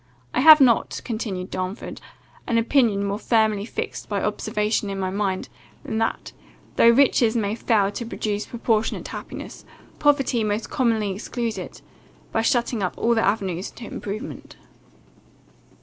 I have not," continued Darnford, "an opinion more firmly fixed by observation in my mind, than that, though riches may fail to produce proportionate happiness, poverty most commonly excludes it, by shutting up all the avenues to improvement."